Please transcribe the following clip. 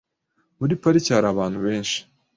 Muri parike hari abantu benshi.